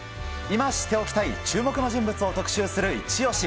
今知っておきたい注目の人物を特集するイチオシ。